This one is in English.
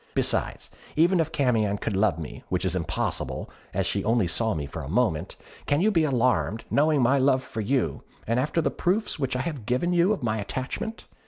Besides, even if Camion could love me, which is impossible, as she only saw me for a moment, can you be alarmed, knowing my love for you, and after the proofs which I have given you of my attachment?